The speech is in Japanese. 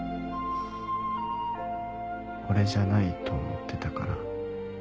俺じゃないと思ってたからずっと。